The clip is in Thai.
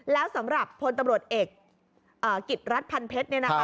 แล้วสำหรับพลตำรวจเอกกิจรัฐพันเพชร